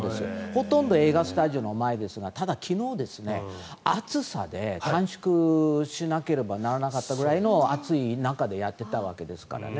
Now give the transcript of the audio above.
ほとんど映画スタジオの前ですがただ、昨日、暑さで短縮しなければならなかったぐらいの暑い中でやっていたわけですからね。